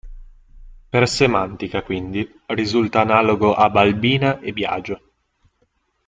Per semantica, quindi, risulta analogo a Balbina e Biagio.